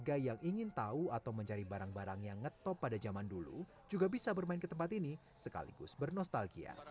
warga yang ingin tahu atau mencari barang barang yang ngetop pada zaman dulu juga bisa bermain ke tempat ini sekaligus bernostalgia